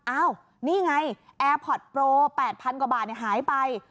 อ้าวนี่ไงแอร์พอร์ตโปร๘๐๐กว่าบาทหายไป